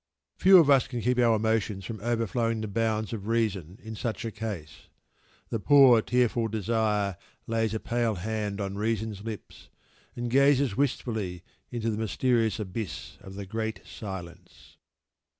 Few of us can keep our emotions from overflowing the bounds of reason in such a case. The poor, tearful desire lays a pale hand on reason's lips and gazes wistfully into the mysterious abyss of the Great Silence.